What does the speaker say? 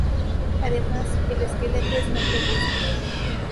Además, el esqueleto es más robusto.